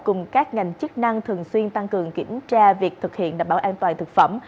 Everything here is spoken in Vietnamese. cùng các ngành chức năng thường xuyên tăng cường kiểm tra việc thực hiện đảm bảo an toàn thực phẩm